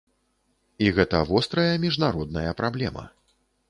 І гэта вострая міжнародная праблема.